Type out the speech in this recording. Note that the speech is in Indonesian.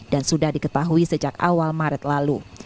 dan sudah diketahui sejak awal maret lalu